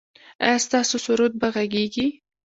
ایا ستاسو سرود به غږیږي؟